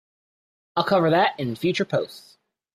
I'll cover that in future posts!